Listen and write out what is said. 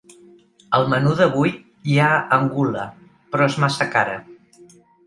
Al menú d'avui hi ha angula, però és massa cara.